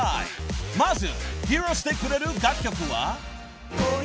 ［まず披露してくれる楽曲は］